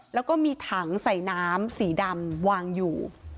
แล้วก็มีถังใส่น้ำสีดำวางอยู่